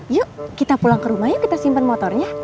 yuk kita pulang ke rumah yuk kita simpan motornya